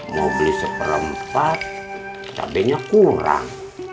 mau beli seperempat cabainya kurang